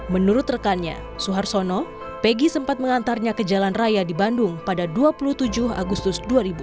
menurut rekannya suharsono pegi sempat mengantarnya ke jalan raya di bandung pada dua puluh tujuh agustus dua ribu dua puluh